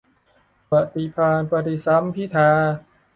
ปฏิภาณปฏิสัมภิทา